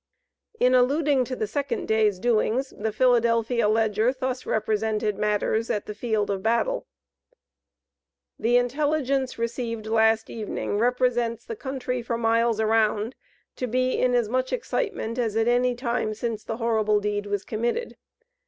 In alluding to the second day's doings, the Philadelphia Ledger thus represented matters at the field of battle: "The intelligence received last evening, represents the country for miles around, to be in as much excitement as at any time since the horrible deed was committed.